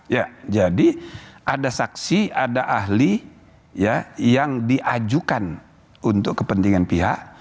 ya jadi ada saksi ada ahli yang diajukan untuk kepentingan pihak